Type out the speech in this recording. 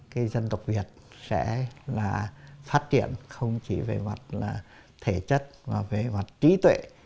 cái dân tộc việt sẽ là phát triển không chỉ về mặt là thể chất mà về mặt trí tuệ